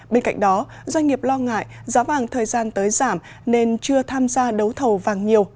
bên cạnh đó doanh nghiệp lo ngại giá vàng thời gian tới giảm nên chưa tham gia đấu thầu vàng nhiều